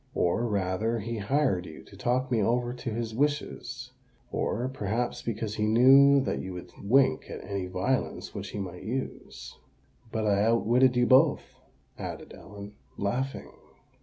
"Or rather, he hired you to talk me over to his wishes—or, perhaps, because he knew that you would wink at any violence which he might use. But I outwitted you both," added Ellen, laughing.